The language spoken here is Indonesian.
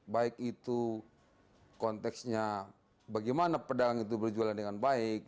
baik itu konteksnya bagaimana pedang itu berjualan dengan baik